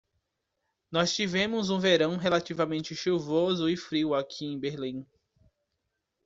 Nós tivemos um verão relativamente chuvoso e frio aqui em Berlim.